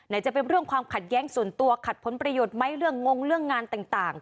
จะเป็นเรื่องความขัดแย้งส่วนตัวขัดผลประโยชน์ไหมเรื่องงงเรื่องงานต่าง